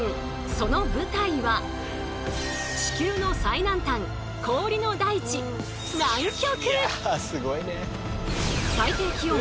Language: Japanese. その舞台は地球の最南端氷の大地南極！